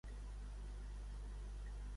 Qui esperen veure, però, a l'illa?